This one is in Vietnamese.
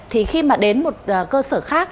thì khi mà đến một cơ sở khác